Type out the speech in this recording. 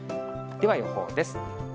では予報です。